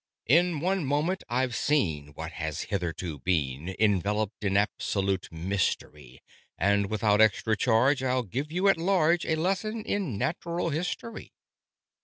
"In one moment I've seen what has hitherto been Enveloped in absolute mystery, And without extra charge I will give you at large A Lesson in Natural History."